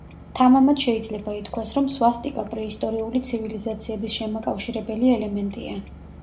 თამამად შეიძლება ითქვას, რომ სვასტიკა პრეისტორიული ცივილიზაციების შემაკავშირებელი ელემენტია.